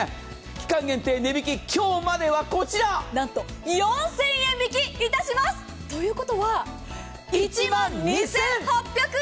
期間限定値引き、今日まではこちらなんと４０００円引きいたします！ということは、１万２８００円！